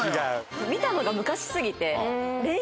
見たのが昔過ぎて。